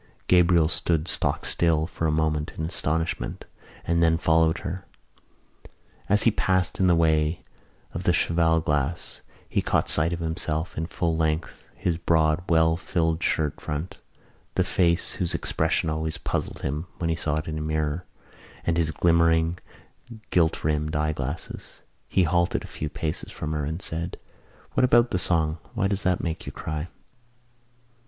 Gabriel stood stock still for a moment in astonishment and then followed her. As he passed in the way of the cheval glass he caught sight of himself in full length, his broad, well filled shirt front, the face whose expression always puzzled him when he saw it in a mirror and his glimmering gilt rimmed eyeglasses. He halted a few paces from her and said: "What about the song? Why does that make you cry?"